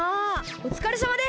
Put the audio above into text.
おつかれさまです！